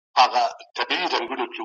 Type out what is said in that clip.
تاسي تل په ارامۍ سره خبري کوئ.